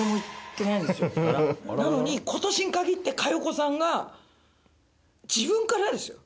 なのにことしに限って佳代子さんが。自分からですよ。